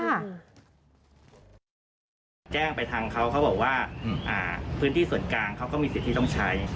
แจ้งไปทางเขาเขาบอกว่าพื้นที่ส่วนกลางเขาก็มีสิทธิ์ที่ต้องใช้